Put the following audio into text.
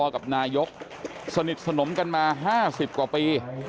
กับนายกสนิทสนมกันมา๕๐กว่าปี